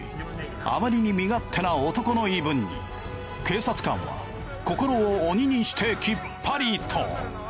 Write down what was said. あまりに身勝手な男の言い分に警察官は心を鬼にしてきっぱりと。